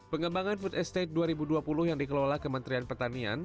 pengembangan food estate dua ribu dua puluh yang dikelola kementerian pertanian